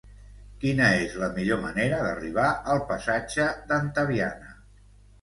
Quina és la millor manera d'arribar al passatge d'Antaviana?